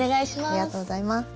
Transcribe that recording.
ありがとうございます。